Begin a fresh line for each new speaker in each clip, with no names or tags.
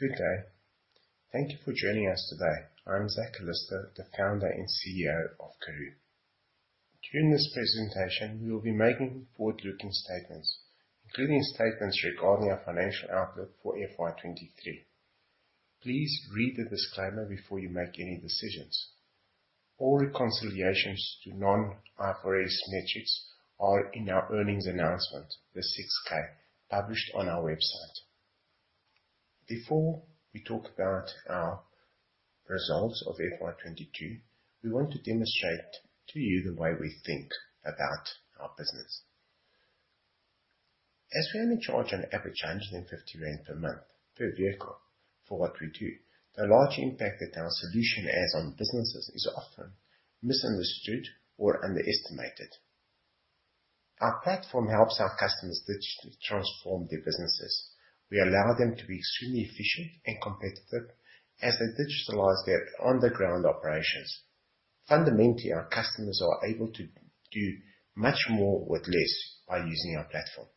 Good day. Thank you for joining us today. I'm Zak Calisto, the founder and CEO of Karooooo. During this presentation, we will be making forward-looking statements, including statements regarding our financial outlook for FY 2023. Please read the disclaimer before you make any decisions. All reconciliations to non-IFRS metrics are in our earnings announcement, the 6-K, published on our website. Before we talk about our results of FY 2022, we want to demonstrate to you the way we think about our business. As we only charge on average 150 rand per month per vehicle for what we do, the large impact that our solution has on businesses is often misunderstood or underestimated. Our platform helps our customers digitally transform their businesses. We allow them to be extremely efficient and competitive as they digitalize their on-the-ground operations. Fundamentally, our customers are able to do much more with less by using our platform.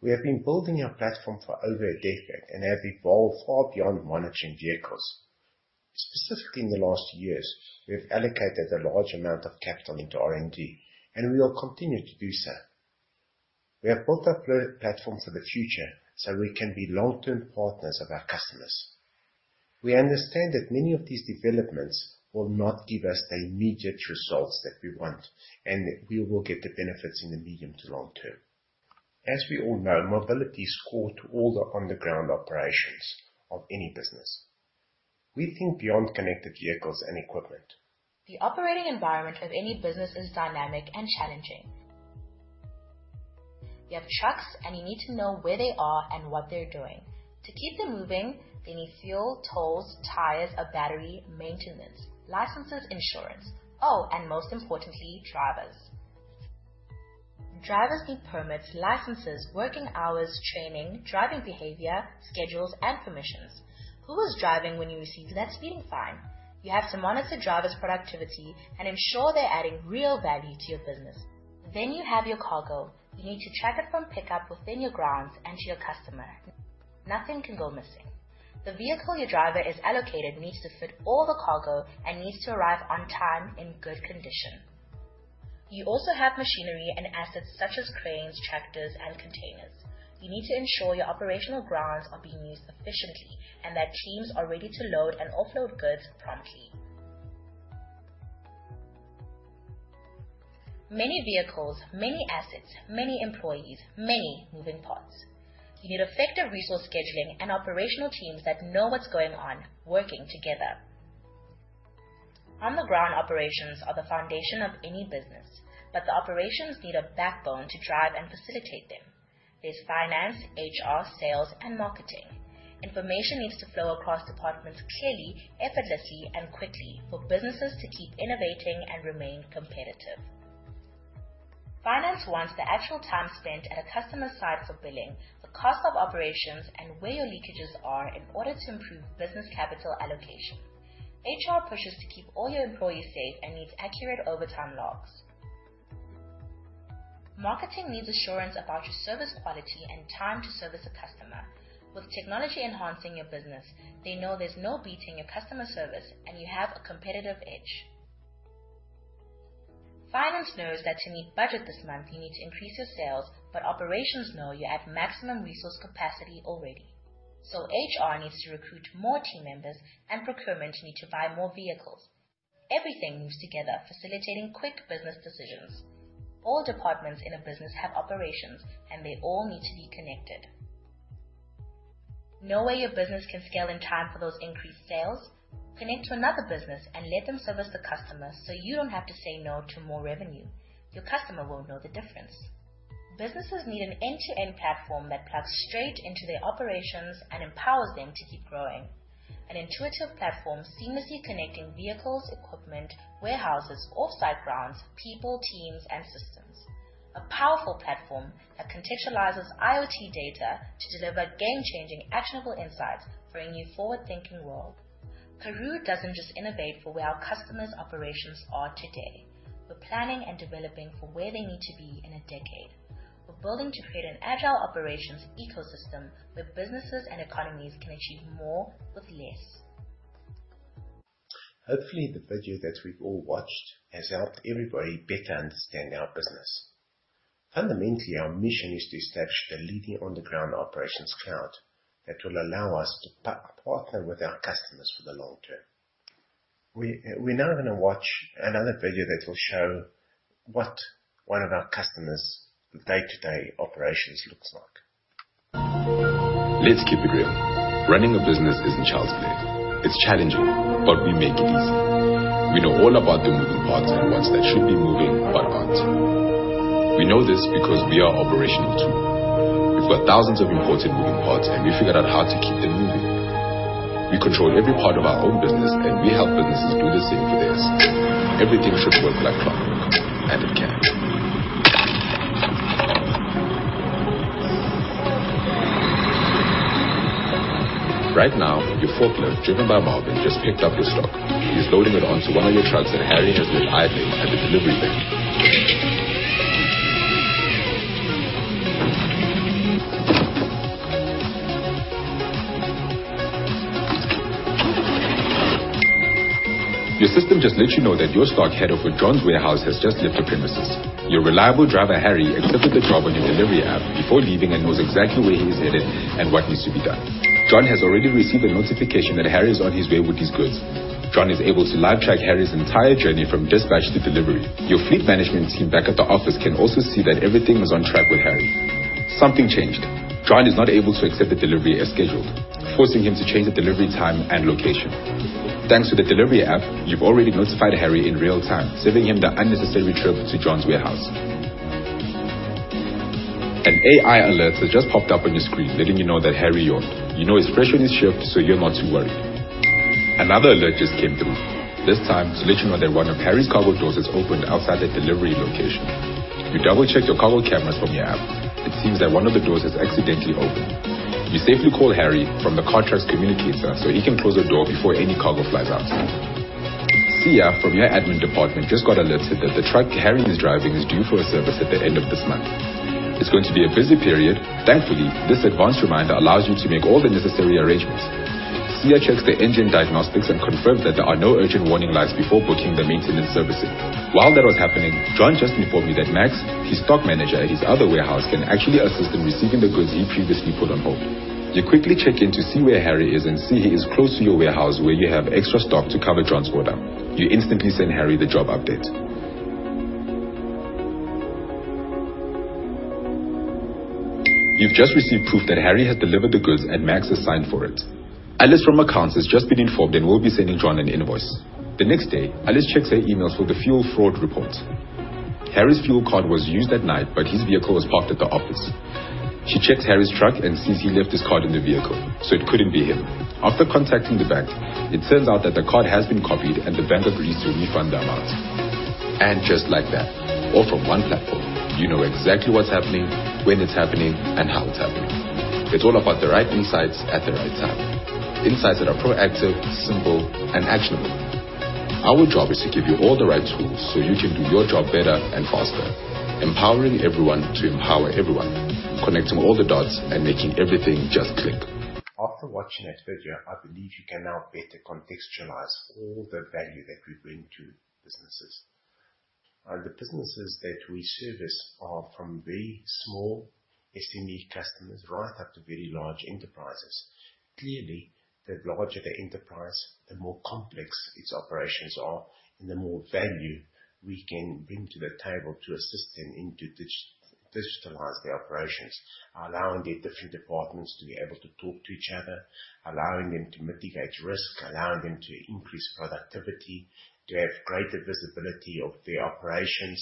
We have been building our platform for over a decade and have evolved far beyond monitoring vehicles. Specifically in the last years, we have allocated a large amount of capital into R&D, and we will continue to do so. We have built our platform for the future, so we can be long-term partners of our customers. We understand that many of these developments will not give us the immediate results that we want, and we will get the benefits in the medium to long term. As we all know, mobility is core to all the on-the-ground operations of any business. We think beyond connected vehicles and equipment.
The operating environment of any business is dynamic and challenging. You have trucks, and you need to know where they are and what they're doing. To keep them moving, they need fuel, tolls, tires, a battery, maintenance, licenses, insurance. Oh, and most importantly, drivers. Drivers need permits, licenses, working hours, training, driving behavior, schedules, and permissions. Who was driving when you received that speeding fine? You have to monitor drivers' productivity and ensure they're adding real value to your business. You have your cargo. You need to track it from pickup within your grounds and to your customer. Nothing can go missing. The vehicle your driver is allocated needs to fit all the cargo and needs to arrive on time in good condition. You also have machinery and assets such as cranes, tractors, and containers. You need to ensure your operational grounds are being used efficiently and that teams are ready to load and offload goods promptly. Many vehicles, many assets, many employees, many moving parts. You need effective resource scheduling and operational teams that know what's going on, working together. On-the-ground operations are the foundation of any business, but the operations need a backbone to drive and facilitate them. There's finance, HR, sales, and marketing. Information needs to flow across departments clearly, effortlessly, and quickly for businesses to keep innovating and remain competitive. Finance wants the actual time spent at a customer site for billing, the cost of operations, and where your leakages are in order to improve business capital allocation. HR pushes to keep all your employees safe and needs accurate overtime logs. Marketing needs assurance about your service quality and time to service a customer. With technology enhancing your business, they know there's no beating your customer service, and you have a competitive edge. Finance knows that to meet budget this month, you need to increase your sales, but operations know you're at maximum resource capacity already. HR needs to recruit more team members, and procurement need to buy more vehicles. Everything moves together, facilitating quick business decisions. All departments in a business have operations, and they all need to be connected. No way your business can scale in time for those increased sales? Connect to another business and let them service the customer, so you don't have to say no to more revenue. Your customer won't know the difference. Businesses need an end-to-end platform that plugs straight into their operations and empowers them to keep growing. An intuitive platform seamlessly connecting vehicles, equipment, warehouses, offsite grounds, people, teams, and systems. A powerful platform that contextualizes IoT data to deliver game-changing, actionable insights for a new forward-thinking world. Karooooo doesn't just innovate for where our customers' operations are today. We're planning and developing for where they need to be in a decade. We're building to create an agile operations ecosystem where businesses and economies can achieve more with less.
Hopefully, the video that we've all watched has helped everybody better understand our business. Fundamentally, our mission is to establish the leading on-the-ground operations cloud that will allow us to partner with our customers for the long term. We're now gonna watch another video that will show what one of our customers' day-to-day operations looks like.
Let's keep it real. Running a business isn't child's play. It's challenging, but we make it easy. We know all about the moving parts and ones that should be moving but aren't. We know this because we are operational too. We've got thousands of important moving parts, and we figured out how to keep them moving. We control every part of our own business, and we help businesses do the same for theirs. Everything should work like clockwork, and it can. Right now, your forklift, driven by Marvin, just picked up your stock. He's loading it onto one of your trucks that Harry is just idling at the delivery bay. Your system just lets you know that your stock headed for John's warehouse has just left the premises. Your reliable driver, Harry, accepted the job on your delivery app before leaving and knows exactly where he is headed and what needs to be done. John has already received a notification that Harry is on his way with his goods. John is able to live track Harry's entire journey from dispatch to delivery. Your fleet management team back at the office can also see that everything is on track with Harry. Something changed. John is not able to accept the delivery as scheduled, forcing him to change the delivery time and location. Thanks to the delivery app, you've already notified Harry in real time, saving him the unnecessary trip to John's warehouse. An AI alert has just popped up on your screen letting you know that Harry yawned. You know it's fresh on his shift, so you're not too worried. Another alert just came through, this time to let you know that one of Harry's cargo doors has opened outside the delivery location. You double-check your cargo cameras from your app. It seems that one of the doors has accidentally opened. You safely call Harry from the Cartrack Communicator, so he can close the door before any cargo flies out. Sia, from your admin department, just got alerted that the truck Harry is driving is due for a service at the end of this month. It's going to be a busy period. Thankfully, this advanced reminder allows you to make all the necessary arrangements. Sia checks the engine diagnostics and confirms that there are no urgent warning lights before booking the maintenance services. While that was happening, John just informed you that Max, his stock manager at his other warehouse, can actually assist in receiving the goods he previously put on hold. You quickly check in to see where Harry is and see he is close to your warehouse where you have extra stock to cover John's order. You instantly send Harry the job update. You've just received proof that Harry has delivered the goods, and Max has signed for it. Alice from accounts has just been informed and will be sending John an invoice. The next day, Alice checks her emails for the fuel fraud report. Harry's fuel card was used that night, but his vehicle was parked at the office. She checks Harry's truck and sees he left his card in the vehicle, so it couldn't be him. After contacting the bank, it turns out that the card has been copied, and the bank agrees to refund the amount. Just like that, all from one platform, you know exactly what's happening, when it's happening, and how it's happening. It's all about the right insights at the right time. Insights that are proactive, simple, and actionable. Our job is to give you all the right tools, so you can do your job better and faster. Empowering everyone to empower everyone, connecting all the dots, and making everything just click.
After watching that video, I believe you can now better contextualize all the value that we bring to businesses. The businesses that we service are from very small SME customers right up to very large enterprises. Clearly, the larger the enterprise, the more complex its operations are, and the more value we can bring to the table to assist them in digitize their operations. Allowing their different departments to be able to talk to each other, allowing them to mitigate risk, allowing them to increase productivity, to have greater visibility of their operations.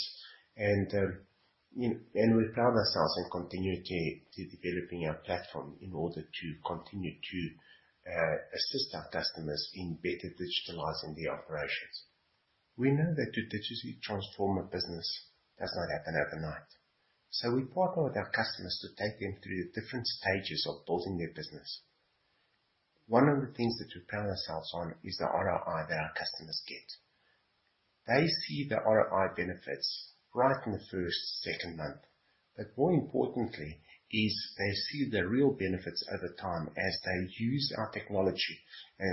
You know, we pride ourselves in continuing to develop our platform in order to continue to assist our customers in better digitizing their operations. We know that to digitally transform a business does not happen overnight. We partner with our customers to take them through the different stages of building their business. One of the things that we pride ourselves on is the ROI that our customers get. They see the ROI benefits right from the first, second month. More importantly is they see the real benefits over time as they use our technology,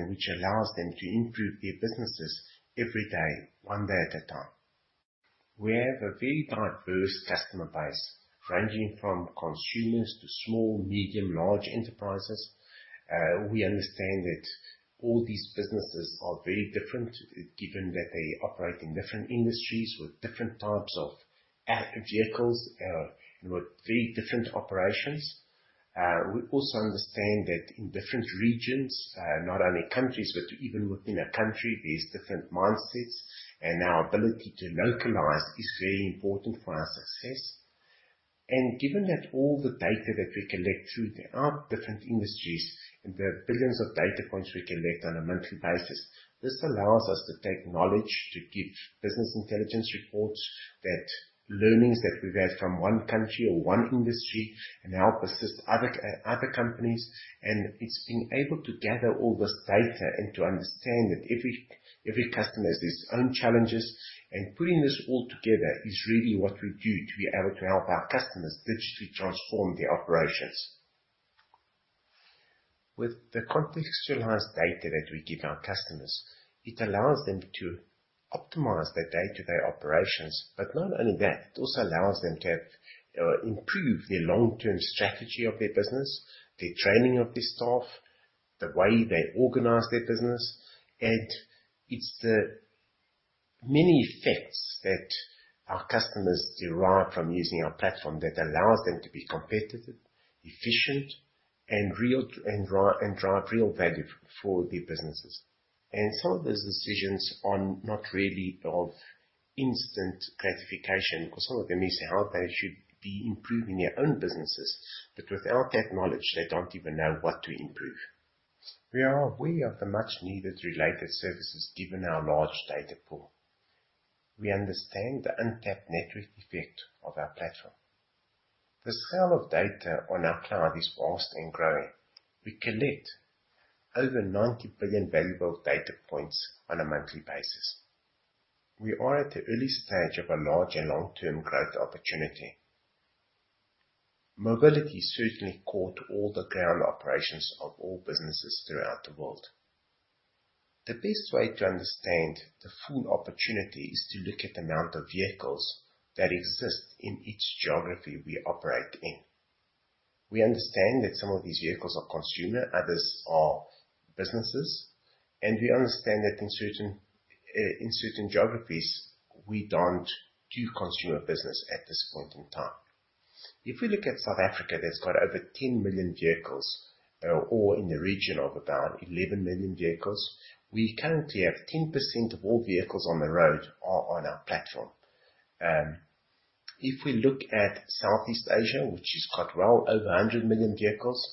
which allows them to improve their businesses every day, one day at a time. We have a very diverse customer base, ranging from consumers to small, medium, large enterprises. We understand that all these businesses are very different given that they operate in different industries with different types of vehicles, and with very different operations. We also understand that in different regions, not only countries, but even within a country, there's different mindsets, and our ability to localize is very important for our success. Given that all the data that we collect through our different industries and the billions of data points we collect on a monthly basis, this allows us to take knowledge to give business intelligence reports that learnings that we've had from one country or one industry can help assist other companies. It's being able to gather all this data and to understand that every customer has its own challenges. Putting this all together is really what we do to be able to help our customers digitally transform their operations. With the contextualized data that we give our customers, it allows them to optimize their day-to-day operations. Not only that, it also allows them to improve their long-term strategy of their business, the training of their staff, the way they organize their business. It's the many effects that our customers derive from using our platform that allows them to be competitive, efficient, and drive real value for their businesses. Some of those decisions are not really offer instant gratification, because some of them is how they should be improving their own businesses. Without that knowledge, they don't even know what to improve. We are aware of the much-needed related services given our large data pool. We understand the untapped network effect of our platform. The scale of data on our cloud is vast and growing. We collect over 90 billion valuable data points on a monthly basis. We are at the earliest stage of a large and long-term growth opportunity. Mobility certainly caught all the ground operations of all businesses throughout the world. The best way to understand the full opportunity is to look at the amount of vehicles that exist in each geography we operate in. We understand that some of these vehicles are consumer, others are businesses, and we understand that in certain geographies, we don't do consumer business at this point in time. If we look at South Africa, that's got over 10 million vehicles, or in the region of about 11 million vehicles. We currently have 10% of all vehicles on the road are on our platform. If we look at Southeast Asia, which has got well over 100 million vehicles,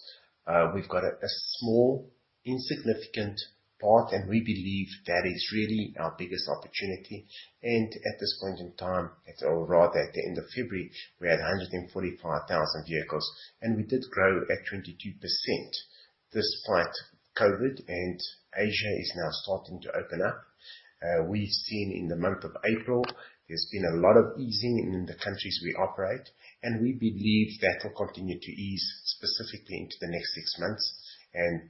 we've got a small, insignificant part, and we believe that is really our biggest opportunity. At this point in time, or rather at the end of February, we had 145,000 vehicles, and we did grow at 22% despite COVID, and Asia is now starting to open up. We've seen in the month of April, there's been a lot of easing in the countries we operate, and we believe that will continue to ease specifically into the next six months.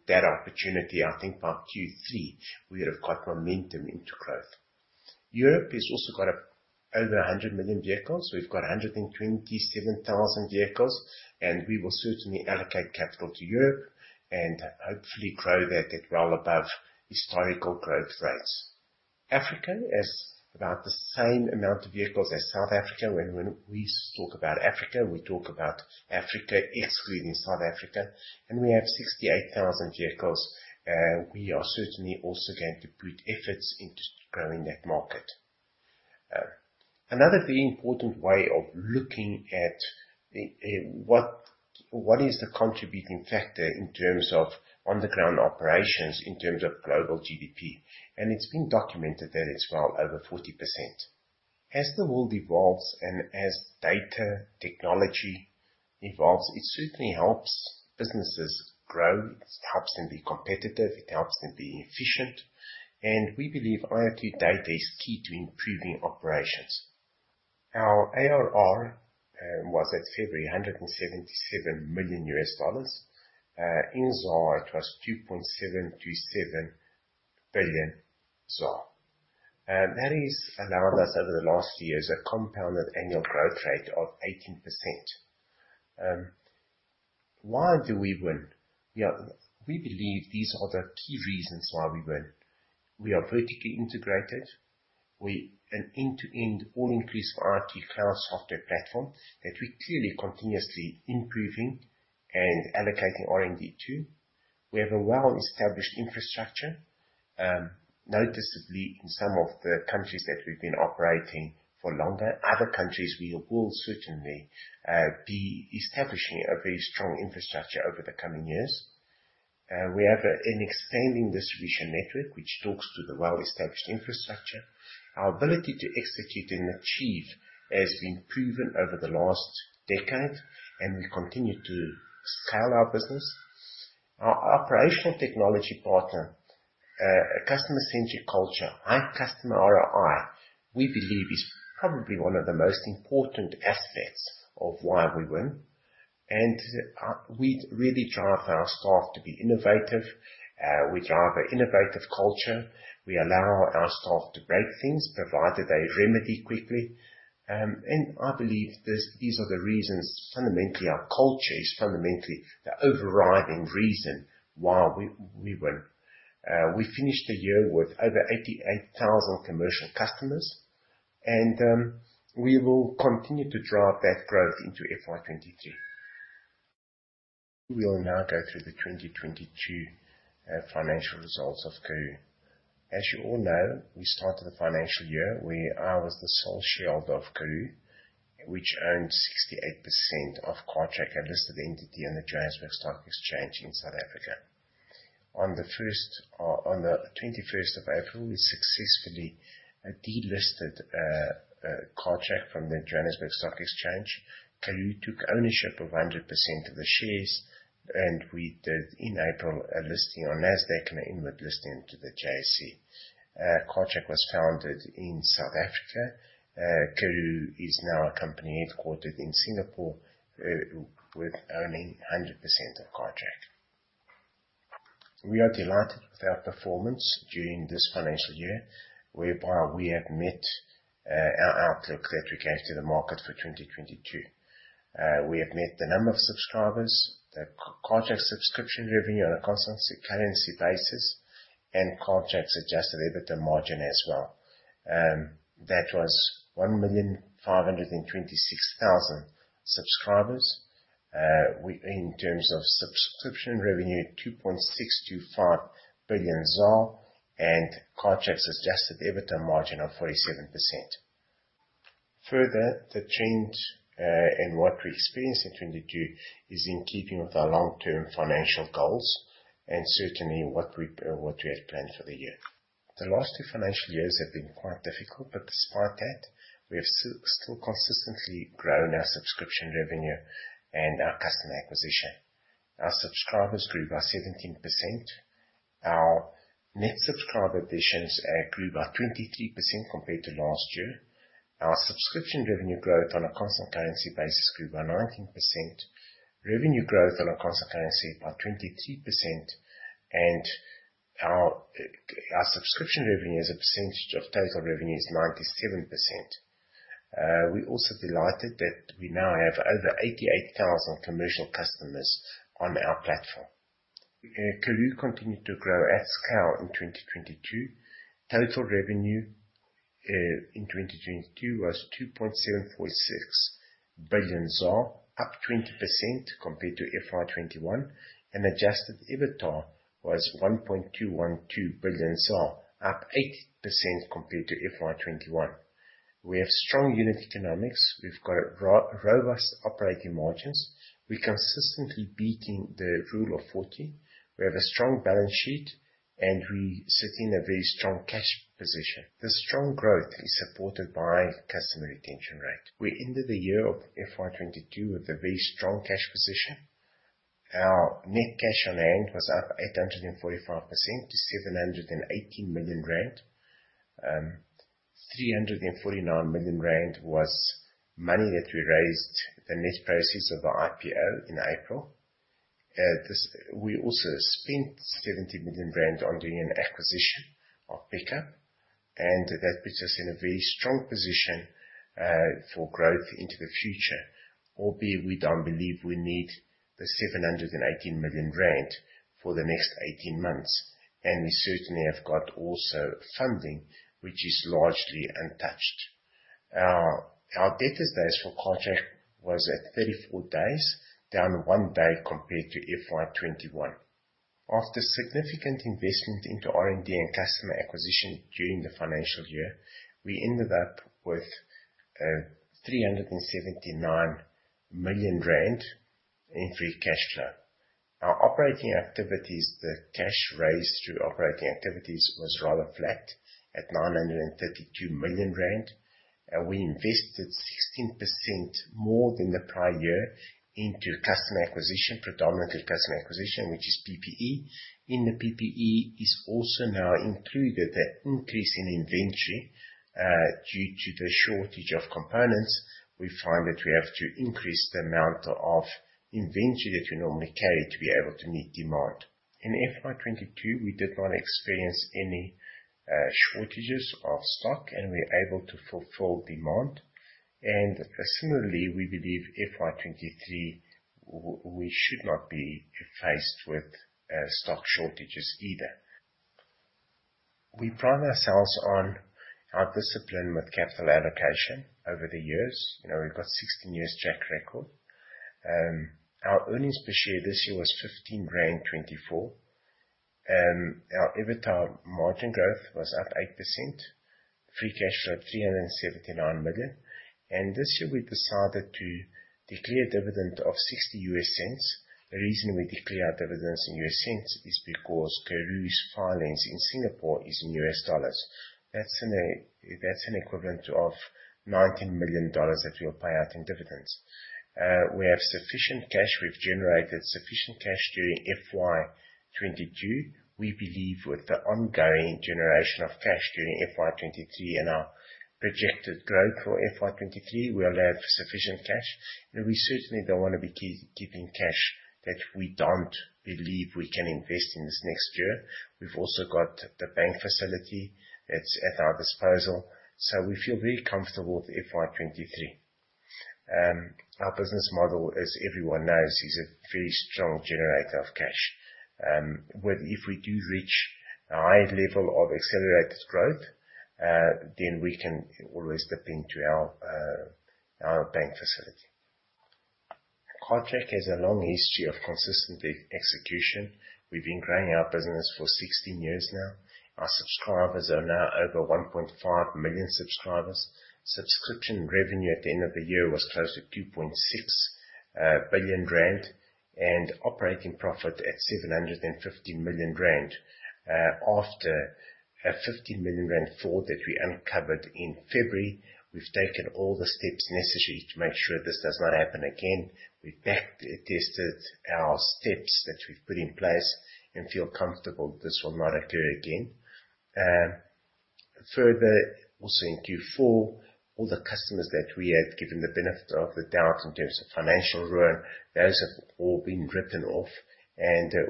That opportunity, I think by Q3, we would have got momentum into growth. Europe has also got over 100 million vehicles. We've got 127,000 vehicles, and we will certainly allocate capital to Europe and hopefully grow that at well above historical growth rates. Africa has about the same amount of vehicles as South Africa. When we talk about Africa, we talk about Africa excluding South Africa, and we have 68,000 vehicles. We are certainly also going to put efforts into growing that market. Another very important way of looking at what is the contributing factor in terms of on-the-ground operations, in terms of global GDP? It's been documented that it's well over 40%. As the world evolves and as data technology evolves, it certainly helps businesses grow. It helps them be competitive, it helps them be efficient, and we believe IoT data is key to improving operations. Our ARR was at February, $177 million. In ZAR, it was 2.727 billion ZAR. That has allowed us over the last years a compounded annual growth rate of 18%. Why do we win? Yeah, we believe these are the key reasons why we win. We are vertically integrated. We an end-to-end all-inclusive IoT cloud software platform that we're clearly continuously improving and allocating R&D to. We have a well-established infrastructure, noticeably in some of the countries that we've been operating for longer. Other countries we will certainly be establishing a very strong infrastructure over the coming years. We have an expanding distribution network which talks to the well-established infrastructure. Our ability to execute and achieve has been proven over the last decade, and we continue to scale our business. Our operational technology partner, a customer-centric culture, high customer ROI, we believe is probably one of the most important aspects of why we win. We really drive our staff to be innovative. We drive an innovative culture. We allow our staff to break things, provided they remedy quickly. I believe these are the reasons. Fundamentally, our culture is fundamentally the overriding reason why we win. We finished the year with over 88,000 commercial customers, and we will continue to drive that growth into FY 2023. We will now go through the 2022 financial results of Karooooo. As you all know, we started the financial year where I was the sole shareholder of Karooooo, which owned 68% of Cartrack, a listed entity on the Johannesburg Stock Exchange in South Africa. On the twenty-first of April, we successfully delisted Cartrack from the Johannesburg Stock Exchange. Karooooo took ownership of 100% of the shares, and we did in April a listing on Nasdaq, an inward listing to the JSE. Cartrack was founded in South Africa. Karooooo is now a company headquartered in Singapore with owning 100% of Cartrack. We are delighted with our performance during this financial year, whereby we have met our outlook that we gave to the market for 2022. We have met the number of subscribers, the Cartrack subscription revenue on a constant currency basis, and Cartrack's adjusted EBITDA margin as well. That was 1,526,000 subscribers. In terms of subscription revenue, 2.625 billion ZAR and Cartrack's adjusted EBITDA margin of 47%. Further, the change in what we experienced in 2022 is in keeping with our long-term financial goals and certainly what we had planned for the year. The last two financial years have been quite difficult, but despite that, we have still consistently grown our subscription revenue and our customer acquisition. Our subscribers grew by 17%. Our net subscriber additions grew by 23% compared to last year. Our subscription revenue growth on a constant currency basis grew by 19%. Revenue growth on a constant currency by 23%. Our subscription revenue as a percentage of total revenue is 97%. We're also delighted that we now have over 88,000 commercial customers on our platform. Karooooo continued to grow at scale in 2022. Total revenue in 2022 was 2.746 billion ZAR, up 20% compared to FY 2021. Adjusted EBITDA was 1.212 billion, up 8% compared to FY 2021. We have strong unit economics. We've got robust operating margins. We're consistently beating the rule of forty. We have a strong balance sheet, and we sit in a very strong cash position. The strong growth is supported by customer retention rate. We ended the year of FY 2022 with a very strong cash position. Our net cash on hand was up 845% to 780 million. Three hundred and forty-nine million rand was money that we raised the net proceeds of the IPO in April. We also spent 70 million rand on doing an acquisition of Picup, and that puts us in a very strong position for growth into the future. Albeit, we don't believe we need the 780 million rand for the next 18 months, and we certainly have got also funding, which is largely untouched. Our debtors days for Cartrack was at 34 days, down one day compared to FY 2021. After significant investment into R&D and customer acquisition during the financial year, we ended up with 379 million rand in free cash flow. Our operating activities, the cash raised through operating activities was rather flat at 932 million rand. We invested 16% more than the prior year into customer acquisition, predominantly customer acquisition, which is PPE. In the PPE is also now included an increase in inventory. Due to the shortage of components, we find that we have to increase the amount of inventory that we normally carry to be able to meet demand. In FY 2022, we did not experience any shortages of stock, and we're able to fulfill demand. Similarly, we believe FY 2023 we should not be faced with stock shortages either. We pride ourselves on our discipline with capital allocation over the years. You know, we've got 16 years track record. Our earnings per share this year was 15.24 rand. Our EBITDA margin growth was up 8%. Free cash flow, 379 million. This year we decided to declare a dividend of $0.60. The reason we declare dividends in US cents is because Karooooo's filings in Singapore is in US dollars. That's an equivalent of $19 million that we'll pay out in dividends. We have sufficient cash. We've generated sufficient cash during FY 2022. We believe with the ongoing generation of cash during FY 2023 and our projected growth for FY 2023, we are allowed for sufficient cash. You know, we certainly don't wanna be keeping cash that we don't believe we can invest in this next year. We've also got the bank facility that's at our disposal. We feel very comfortable with FY 2023. Our business model, as everyone knows, is a very strong generator of cash. If we do reach a high level of accelerated growth, then we can always dip into our bank facility. Cartrack has a long history of consistent execution. We've been growing our business for 16 years now. Our subscribers are now over 1.5 million subscribers. Subscription revenue at the end of the year was close to 2.6 billion rand and operating profit at 750 million rand. After a 50 million rand fraud that we uncovered in February, we've taken all the steps necessary to make sure this does not happen again. We've back-tested our steps that we've put in place and feel comfortable this will not occur again. Further, also in Q4, all the customers that we have given the benefit of the doubt in terms of financial ruin, those have all been written off.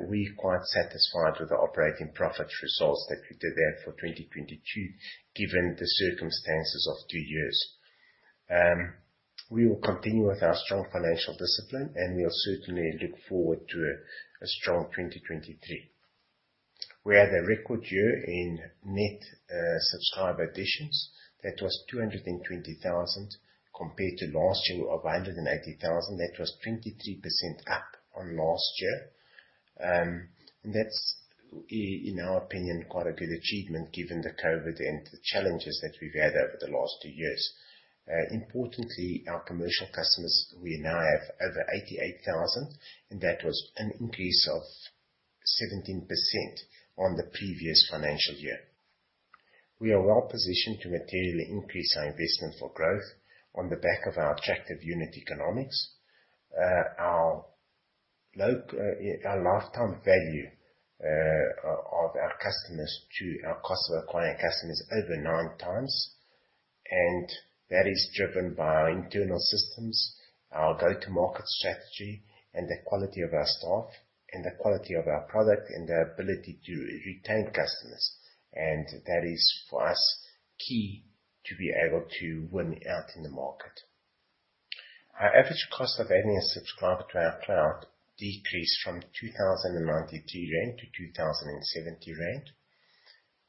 We're quite satisfied with the operating profit results that we did there for 2022, given the circumstances of two years. We will continue with our strong financial discipline, and we'll certainly look forward to a strong 2023. We had a record year in net subscriber additions. That was 220,000 compared to last year of 180,000. That was 23% up on last year. That's in our opinion, quite a good achievement given the COVID and the challenges that we've had over the last two years. Importantly, our commercial customers, we now have over 88,000, and that was an increase of 17% on the previous financial year. We are well positioned to materially increase our investment for growth on the back of our attractive unit economics. Our lifetime value of our customers to our cost of acquiring customers over nine times. That is driven by our internal systems, our go-to-market strategy, and the quality of our staff and the quality of our product and the ability to retain customers. That is for us key to be able to win out in the market. Our average cost of adding a subscriber to our cloud decreased from 2,092 rand to 2,070 rand.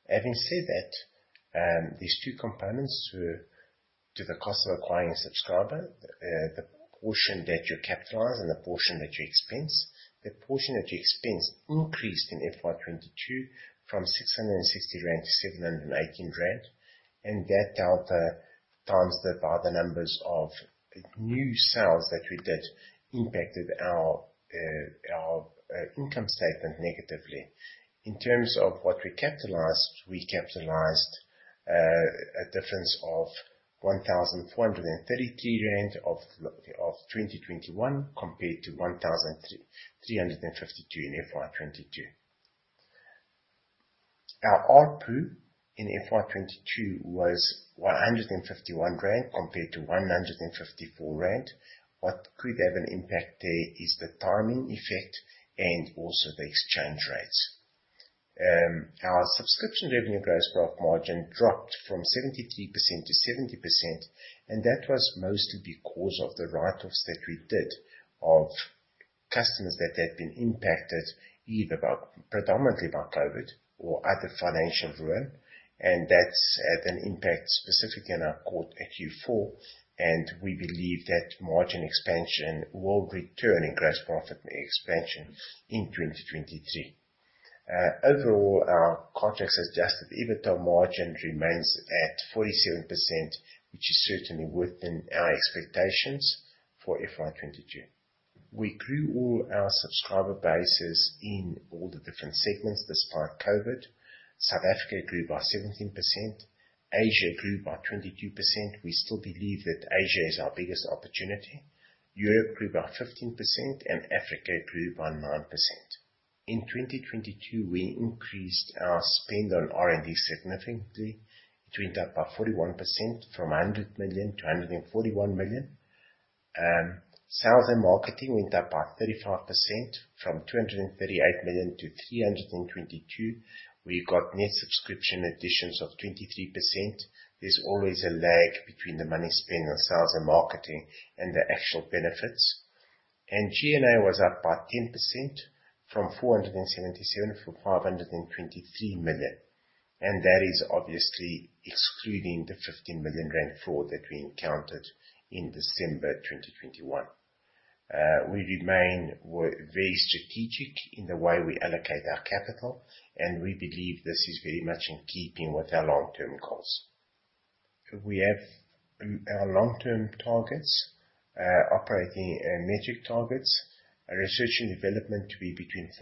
Having said that, these two components were to the cost of acquiring a subscriber, the portion that you capitalize and the portion that you expense. The portion that you expense increased in FY 2022 from 660 rand to 718 rand. That delta times the number of new sales that we did impacted our income statement negatively. In terms of what we capitalized, we capitalized a difference of 1,432 rand of 2021 compared to 1,352 in FY 2022. Our ARPU in FY 2022 was 151 rand compared to 154 rand. What could have an impact there is the timing effect and also the exchange rates. Our subscription revenue gross profit margin dropped from 73% to 70%, and that was mostly because of the write-offs that we did of customers that had been impacted either by, predominantly by COVID or other financial ruin. That's had an impact specifically in our quarter Q4, and we believe that margin expansion will return in gross profit expansion in 2023. Overall, our Cartrack adjusted EBITDA margin remains at 47%, which is certainly within our expectations for FY 2022. We grew all our subscriber bases in all the different segments despite COVID. South Africa grew by 17%. Asia grew by 22%. We still believe that Asia is our biggest opportunity. Europe grew by 15%, and Africa grew by 9%. In 2022, we increased our spend on R&D significantly. It went up by 41% from 100 million to 141 million. Sales and marketing went up by 35% from 238 million to 322 million. We got net subscription additions of 23%. There's always a lag between the money spent on sales and marketing and the actual benefits. G&A was up by 10% from 477 million to 523 million. That is obviously excluding the 15 million rand fraud that we encountered in December 2021. We remain very strategic in the way we allocate our capital, and we believe this is very much in keeping with our long-term goals. We have our long-term targets, operating metric targets. Our research and development to be between 4%-6%.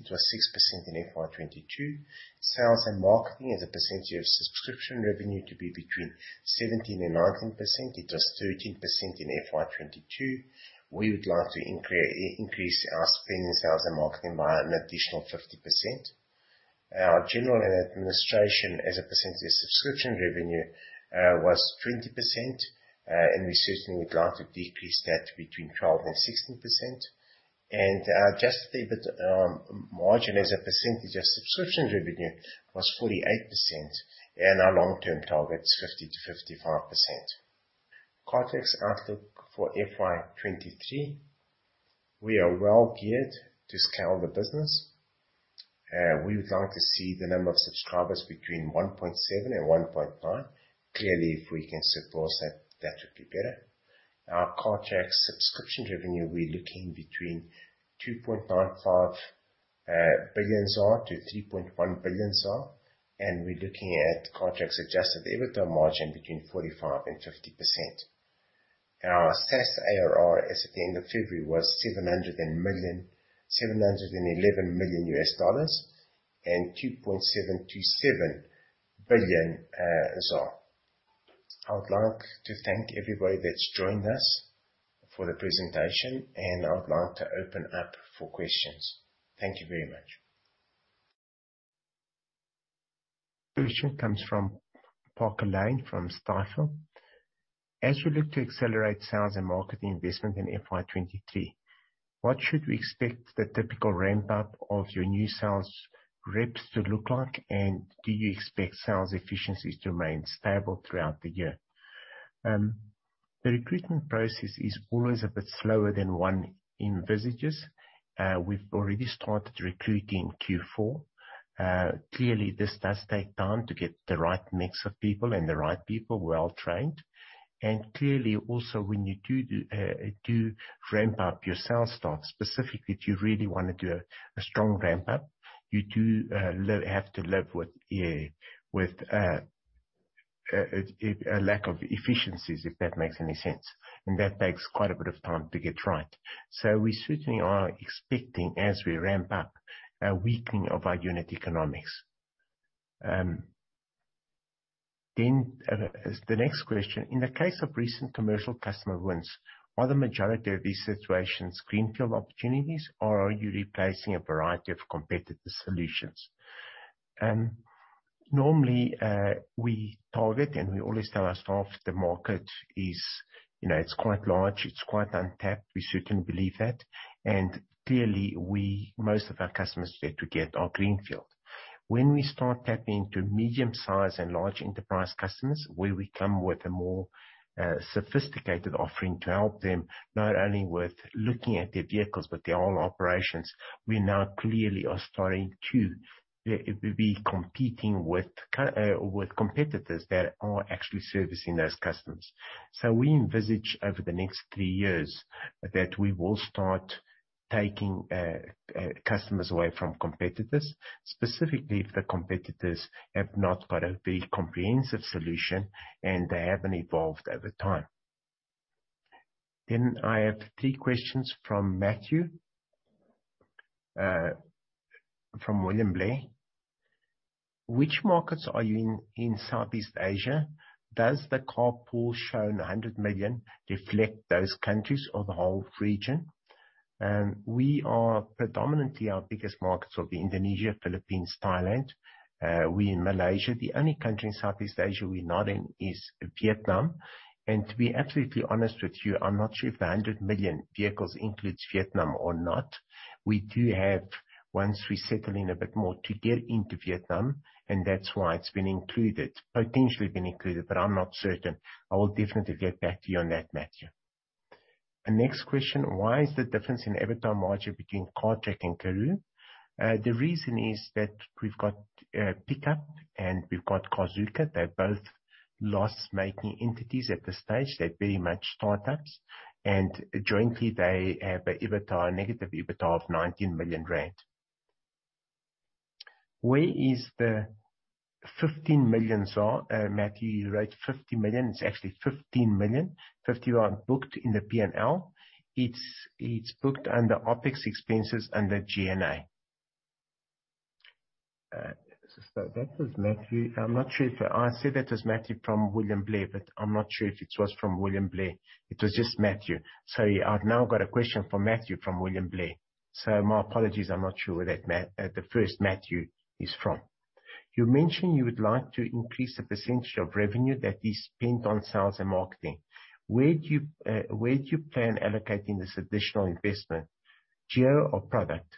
It was 6% in FY 2022. Sales and marketing as a percentage of subscription revenue to be between 17%-19%. It was 13% in FY 2022. We would like to increase our spend in sales and marketing by an additional 50%. Our general and administration as a percentage of subscription revenue was 20%. We certainly would like to decrease that to between 12%-16%. Our adjusted EBITDA margin as a percentage of subscription revenue was 48%, and our long-term target is 50%-55%. Cartrack outlook for FY 2023. We are well geared to scale the business. We would like to see the number of subscribers between 1.7 and 1.5. Clearly, if we can surpass that would be better. Our Cartrack subscription revenue, we're looking between 2.95 billion to 3.1 billion. We're looking at Cartrack adjusted EBITDA margin between 45% and 50%. Our SaaS ARR as at the end of February was $711 million and 2.727 billion. I would like to thank everybody that's joined us for the presentation, and I would like to open up for questions. Thank you very much. Question comes from Parker Lane from Stifel. As we look to accelerate sales and marketing investment in FY 2023, what should we expect the typical ramp-up of your new sales reps to look like? And do you expect sales efficiencies to remain stable throughout the year? The recruitment process is always a bit slower than one envisages. We've already started recruiting in Q4. Clearly this does take time to get the right mix of people and the right people well trained. Clearly also when you do ramp up your sales staff specifically, if you really wanna do a strong ramp up, you do have to live with a lack of efficiencies, if that makes any sense, and that takes quite a bit of time to get right. We certainly are expecting, as we ramp up, a weakening of our unit economics. The next question. In the case of recent commercial customer wins, are the majority of these situations greenfield opportunities, or are you replacing a variety of competitive solutions? Normally, we target and we always tell our staff the market is, you know, it's quite large, it's quite untapped. We certainly believe that. Clearly we, most of our customers that we get are greenfield. When we start tapping into medium-sized and large enterprise customers, where we come with a more sophisticated offering to help them, not only with looking at their vehicles but their whole operations, we now clearly are starting to be competing with competitors that are actually servicing those customers. We envisage over the next three years that we will start taking customers away from competitors, specifically if the competitors have not got a very comprehensive solution, and they haven't evolved over time. I have three questions from Matthew from William Blair: Which markets are you in Southeast Asia? Does the car pool shown 100 million reflect those countries or the whole region? We are predominantly our biggest markets are Indonesia, Philippines, Thailand. We're in Malaysia. The only country in Southeast Asia we're not in is Vietnam. To be absolutely honest with you, I'm not sure if the 100 million vehicles includes Vietnam or not. We do have, once we settle in a bit more, to get into Vietnam, and that's why it's been included, potentially been included, but I'm not certain. I will definitely get back to you on that, Matthew. The next question. Why is the difference in EBITDA margin between Cartrack and Karooooo? The reason is that we've got Pick Up and we've got Carzuka. They're both loss-making entities at this stage. They're very much startups. Jointly, they have an EBITDA, negative EBITDA of 19 million rand. Where is the $15 million, sir? Matthew, you wrote $50 million. It's actually $15 million. $50 million were booked in the P&L. It's booked under OpEx expenses under G&A. That was Matthew. I'm not sure if I said that was Matthew from William Blair, but I'm not sure if it was from William Blair. It was just Matthew. I've now got a question for Matthew from William Blair. My apologies. I'm not sure where the first Matthew is from. You mentioned you would like to increase the percentage of revenue that is spent on sales and marketing. Where do you plan allocating this additional investment, geo or product?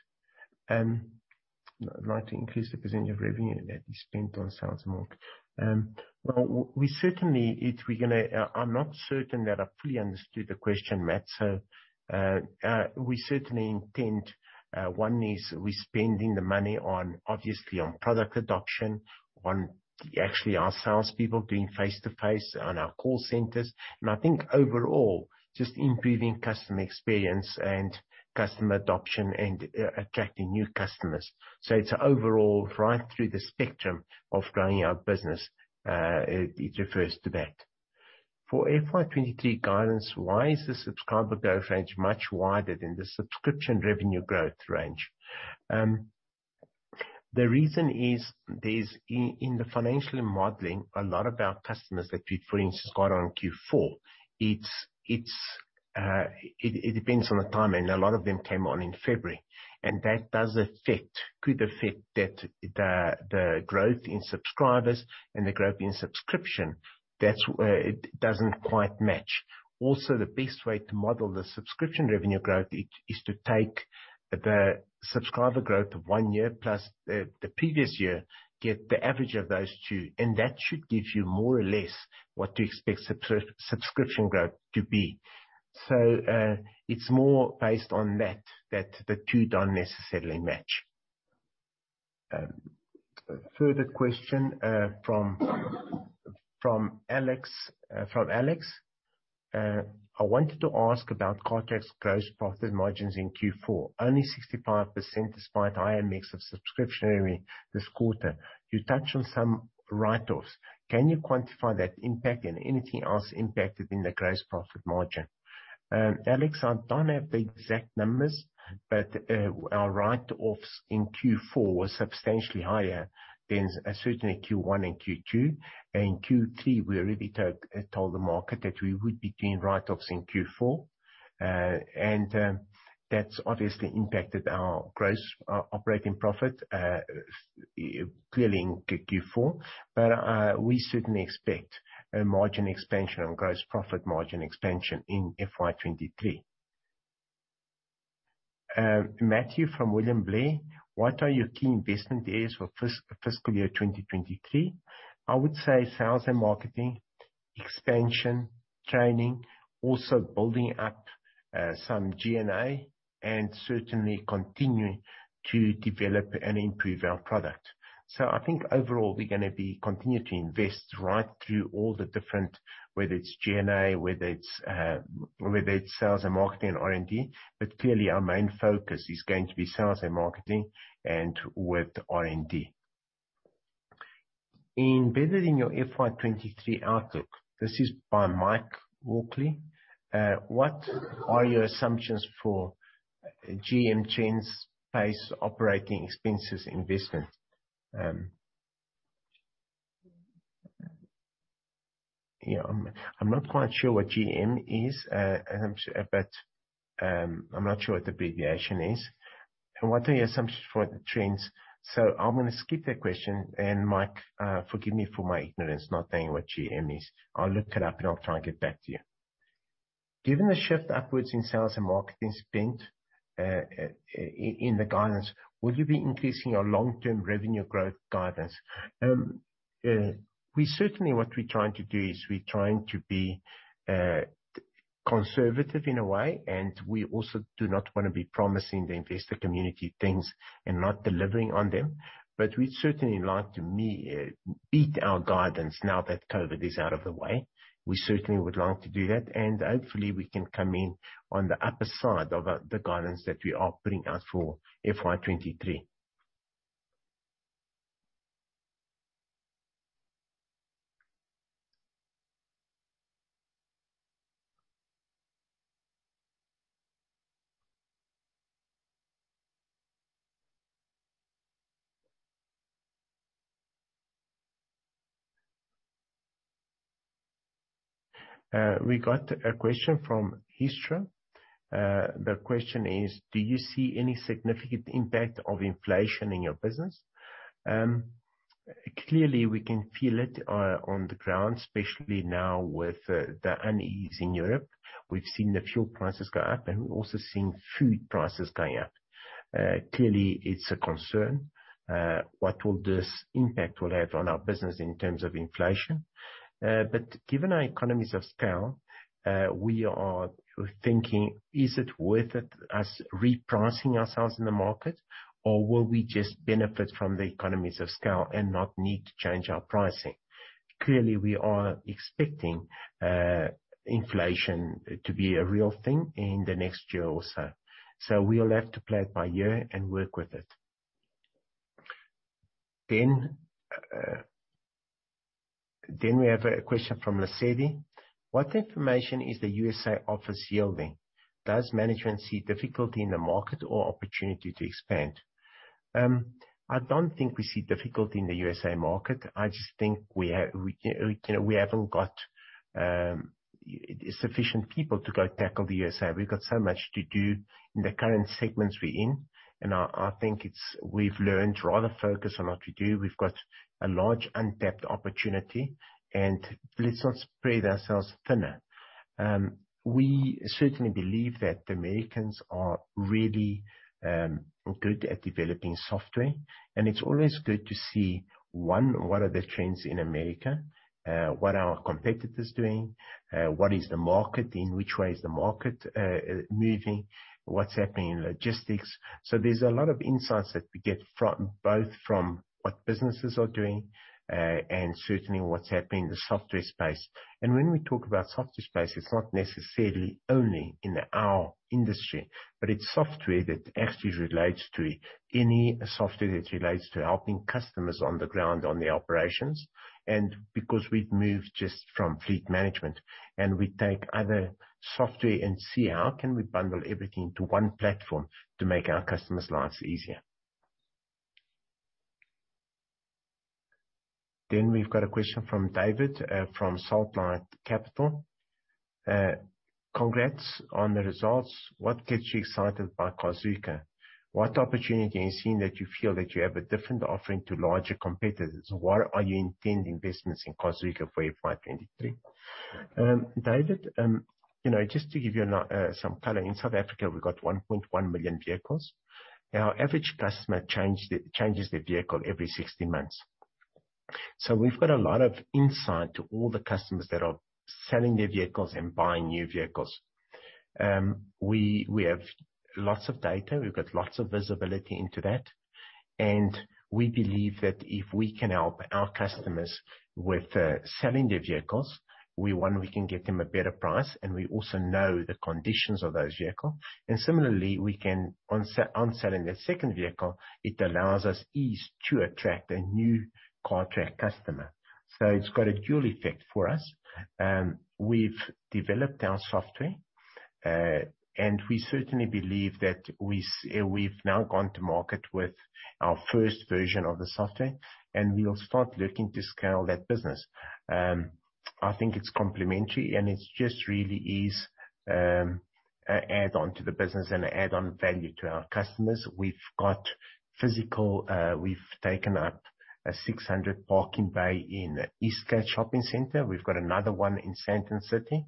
Like to increase the percentage of revenue that is spent on sales and marketing. Well, we certainly, it's, we're gonna. I'm not certain that I fully understood the question, Matt. We certainly intend one is we're spending the money on, obviously on product adoption, on actually our salespeople doing face-to-face on our call centers. I think overall just improving customer experience and customer adoption and attracting new customers. It's overall right through the spectrum of growing our business. It refers to that. For FY 2023 guidance, why is the subscriber growth range much wider than the subscription revenue growth range? The reason is there's in the financial modeling a lot of our customers that we've for instance got on in Q4, it depends on the timing. A lot of them came on in February, and that could affect the growth in subscribers and the growth in subscription. That's why it doesn't quite match. The best way to model the subscription revenue growth is to take the subscriber growth of one year plus the previous year, get the average of those two, and that should give you more or less what to expect subscription growth to be. It's more based on that the two don't necessarily match. A further question from Alex. I wanted to ask about Cartrack's gross profit margins in Q4. Only 65% despite higher mix of subscription revenue this quarter. You touched on some write-offs. Can you quantify that impact and anything else impacted in the gross profit margin? Alex, I don't have the exact numbers, but our write-offs in Q4 was substantially higher than certainly Q1 and Q2. In Q3, we already told the market that we would be doing write-offs in Q4. That's obviously impacted our gross operating profit clearly in Q4. We certainly expect a margin expansion on gross profit margin expansion in FY 2023. Matthew from William Blair: What are your key investment areas for fiscal year 2023? I would say sales and marketing, expansion, training, also building up some G&A, and certainly continuing to develop and improve our product. I think overall we're gonna be continuing to invest right through all the different, whether it's G&A, whether it's sales and marketing and R&D. Clearly, our main focus is going to be sales and marketing and with R&D. Embedded in your FY 2023 outlook, this is by Mike Walkley, what are your assumptions for GM trends, base operating expenses investment? I'm not quite sure what GM is. I'm not sure what the abbreviation is and what are your assumptions for the trends. I'm gonna skip that question. Mike, forgive me for my ignorance, not knowing what GM is. I'll look it up, and I'll try and get back to you. Given the shift upwards in sales and marketing spend in the guidance, will you be increasing your long-term revenue growth guidance? We certainly, what we're trying to do is to be conservative in a way, and we also do not wanna be promising the investor community things and not delivering on them. We'd certainly like to beat our guidance now that COVID is out of the way. We certainly would like to do that, and hopefully we can come in on the upper side of the guidance that we are putting out for FY 2023. We got a question from Histra. The question is: Do you see any significant impact of inflation in your business? Clearly we can feel it on the ground, especially now with the unease in Europe. We've seen the fuel prices go up, and we've also seen food prices going up. Clearly it's a concern, what impact this will have on our business in terms of inflation. Given our economies of scale, we are thinking, is it worth it as repricing ourselves in the market, or will we just benefit from the economies of scale and not need to change our pricing? Clearly, we are expecting inflation to be a real thing in the next year or so. We'll have to play it by ear and work with it. We have a question from Lesedi. What information is the USA office yielding? Does management see difficulty in the market or opportunity to expand? I don't think we see difficulty in the USA market. I just think, you know, we haven't got sufficient people to go tackle the USA. We've got so much to do in the current segments we're in. I think we've learned to rather focus on what we do. We've got a large untapped opportunity, and let's not spread ourselves thinner. We certainly believe that the Americans are really good at developing software, and it's always good to see, one, what are the trends in America, what are our competitors doing, what is the market, in which way is the market moving, what's happening in logistics. There's a lot of insights that we get from, both from what businesses are doing, and certainly what's happening in the software space. When we talk about software space, it's not necessarily only in our industry, but it's software that actually relates to any software that relates to helping customers on the ground, on the operations. Because we've moved just from fleet management and we take other software and see how can we bundle everything into one platform to make our customers' lives easier. We've got a question from David from SaltLight Capital Management. Congrats on the results. What gets you excited by Carzuka? What opportunity are you seeing that you feel that you have a different offering to larger competitors? Why are your intended investments in Carzuka for FY 2023? David, you know, just to give you some color, in South Africa, we've got 1.1 million vehicles. Our average customer changes their vehicle every 60 months. So we've got a lot of insight to all the customers that are selling their vehicles and buying new vehicles. We have lots of data. We've got lots of visibility into that. We believe that if we can help our customers with selling their vehicles, one, we can get them a better price, and we also know the conditions of those vehicles. Similarly, we can, on selling their second vehicle, it allows us easy to attract a new Cartrack customer. It's got a dual effect for us. We've developed our software, and we certainly believe that we've now gone to market with our first version of the software, and we'll start looking to scale that business. I think it's complementary, and it's just really an add-on to the business and add-on value to our customers. We've taken up a 600 parking bay in Eastgate Shopping Center. We've got another one in Sandton City.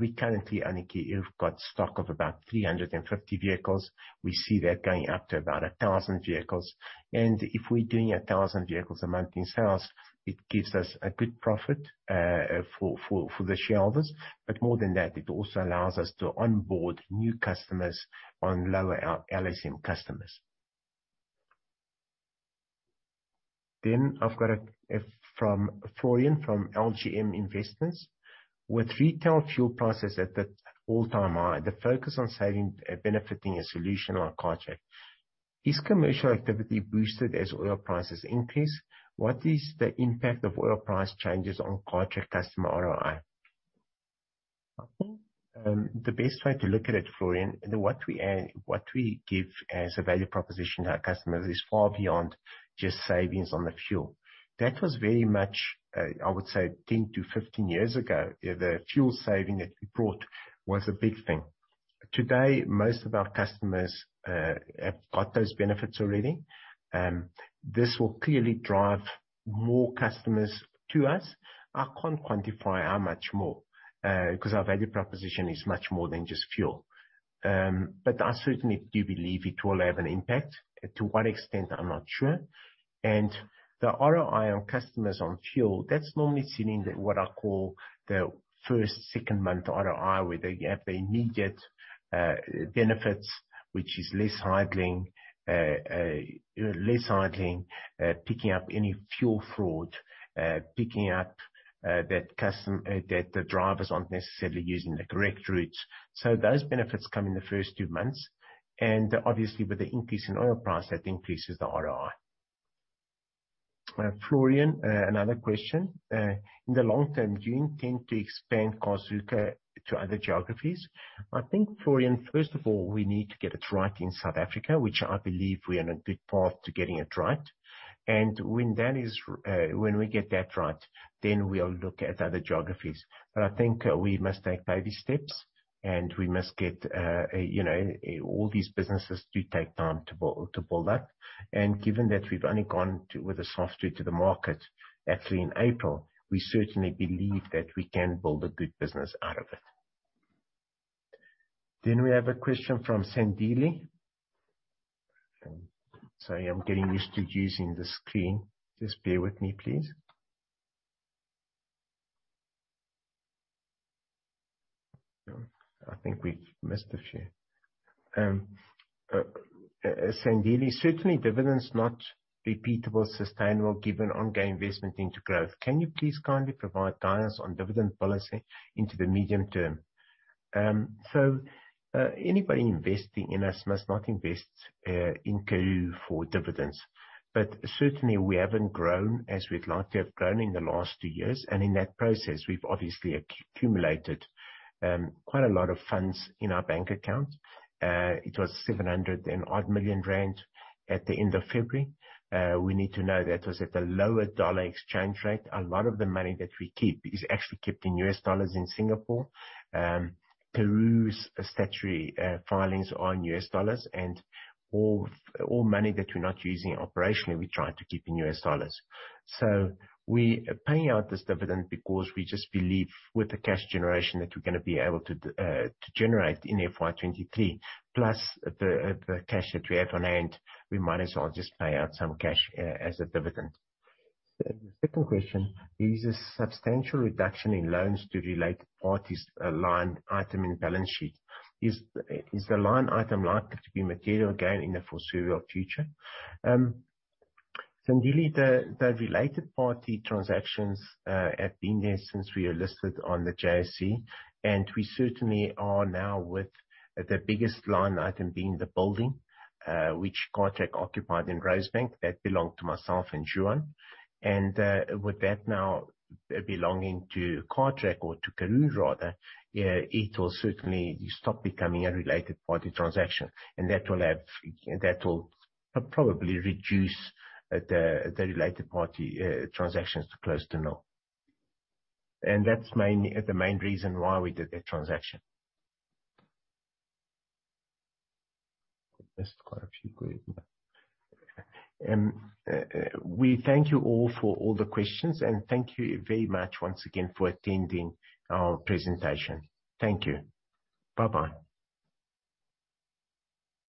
We currently only have got stock of about 350 vehicles. We see that going up to about 1,000 vehicles. If we're doing 1,000 vehicles a month in sales, it gives us a good profit, for the shareholders. More than that, it also allows us to onboard new customers, our lower LSM customers. I've got a question from Florian, from LGM Investments. With retail fuel prices at the all-time high, the focus on saving, benefiting a solution on Cartrack. Is commercial activity boosted as oil prices increase? What is the impact of oil price changes on Cartrack customer ROI? The best way to look at it, Florian, what we give as a value proposition to our customers is far beyond just savings on the fuel. That was very much, I would say 10-15 years ago. The fuel saving that we brought was a big thing. Today, most of our customers have got those benefits already. This will clearly drive more customers to us. I can't quantify how much more, because our value proposition is much more than just fuel. But I certainly do believe it will have an impact. To what extent, I'm not sure. The ROI on customers on fuel, that's normally seen in the, what I call the first, second month ROI, where they have the immediate benefits, which is less idling, picking up any fuel fraud, picking up that the drivers aren't necessarily using the correct routes. Those benefits come in the first two months, and obviously with the increase in oil price, that increases the ROI. Florian, another question. In the long term, do you intend to expand Carzuka to other geographies? I think, Florian, first of all, we need to get it right in South Africa, which I believe we're on a good path to getting it right. When we get that right, then we'll look at other geographies. I think we must take baby steps, and we must get, you know, all these businesses do take time to build up. Given that we've only gone to market with the software actually in April, we certainly believe that we can build a good business out of it. We have a question from Sandile. Sorry, I'm getting used to using the screen. Just bear with me, please. I think we missed a few. Sandile, certainly dividend's not repeatable, sustainable given ongoing investment into growth. Can you please kindly provide guidance on dividend policy into the medium term? Anybody investing in us must not invest in Karooooo for dividends. Certainly we haven't grown as we'd like to have grown in the last two years. In that process, we've obviously accumulated quite a lot of funds in our bank account. It was 700-odd million rand at the end of February. You need to know that was at a lower dollar exchange rate. A lot of the money that we keep is actually kept in US dollars in Singapore. Karooooo's statutory filings are in US dollars and all money that we're not using operationally, we try to keep in US dollars. We are paying out this dividend because we just believe with the cash generation that we're gonna be able to generate in FY 2023, plus the cash that we have on hand, we might as well just pay out some cash as a dividend. The second question: there is a substantial reduction in loans to related parties line item in balance sheet. Is the line item likely to be material again in the foreseeable future? Sandile, the related party transactions have been there since we are listed on the JSE, and we certainly are now with the biggest line item being the building which Cartrack occupied in Rosebank. That belonged to myself and Juan. With that now belonging to Cartrack, or to Karooooo rather, it will certainly stop becoming a related party transaction, and that will probably reduce the related party transactions to close to null. That's the main reason why we did that transaction. Missed quite a few questions. We thank you all for all the questions, and thank you very much once again for attending our presentation. Thank you. Bye-bye.